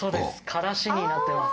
からしになってます。